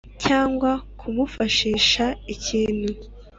cyangwa kumufashisha ikintu